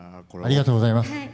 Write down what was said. ありがとうございます。